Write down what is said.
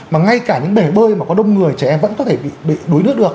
mà ngay cả những bể bơi mà có đông người trẻ em vẫn có thể bị đuối nước được